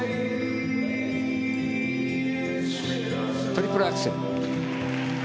トリプルアクセル。